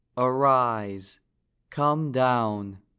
Arise! come down!